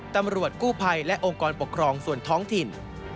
ตำรวจกู้ภัยและองค์กรปกครองส่วนท้องถิ่น